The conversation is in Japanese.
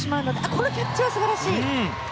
このキャッチは素晴らしい。